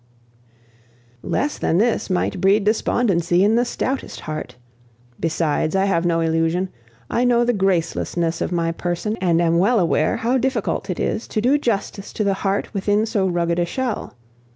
"Less than this might breed despondency in the stoutest heart. Besides, I have no illusion; I know the gracelessness of my person, and am well aware how difficult it is to do justice to the heart within so rugged a shell.